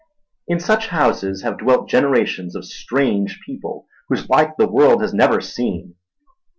In such houses have dwelt generations of strange people, whose like the world has never seen.